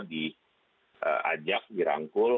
diajak di rangkul